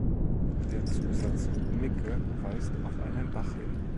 Der Zusatz "-micke" weist auf einen Bach hin.